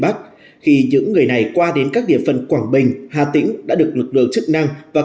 bắt khi những người này qua đến các địa phần quảng bình hà tĩnh đã được lực lượng chức năng và